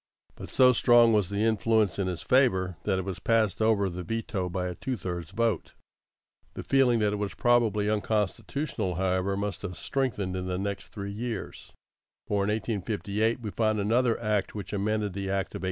But so strong was the influence in its favor that it was passed over the veto by a two thirds vote. The feeling that it was probably unconstitutional, however, must have strengthened in the next three years: for in 1858 we find another act which amended the act of 1855.